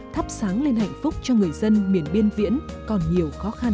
thắp sáng lên hạnh phúc cho người dân miền biên viễn còn nhiều khó khăn